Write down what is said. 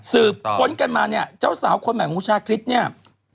สืบพ้นกันมาเนี่ยเจ้าสาวคนแบบของชาติคริสต์เนี่ย